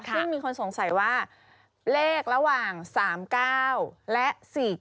ซึ่งมีคนสงสัยว่าเลขระหว่าง๓๙และ๔๗